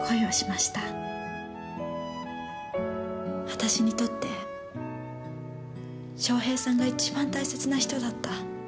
私にとって翔平さんが一番大切な人だった。